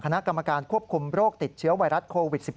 คณะกรรมการควบคุมโรคติดเชื้อไวรัสโควิด๑๙